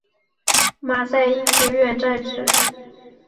马赛医学院设此。